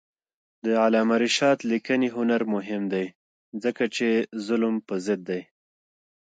د علامه رشاد لیکنی هنر مهم دی ځکه چې ظلم پر ضد دی.